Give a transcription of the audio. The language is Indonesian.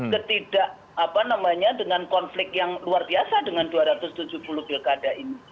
ketidak apa namanya dengan konflik yang luar biasa dengan dua ratus tujuh puluh pilkada ini